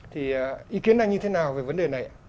thì ý kiến anh như thế nào về vấn đề này